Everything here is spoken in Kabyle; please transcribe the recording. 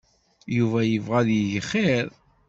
Yuba yebɣa ad yeg xir.